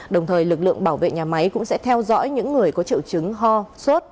đồng thời lực lượng bảo vệ nhà máy cũng sẽ theo dõi những người có triệu chứng ho sốt